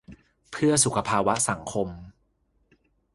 'เพื่อสุขภาวะสังคม'